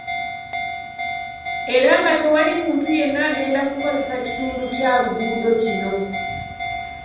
Era nga tewali muntu yenna agenda kukozesa kitundu kya luguudo kino.